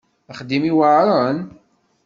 D axeddim iweɛṛen?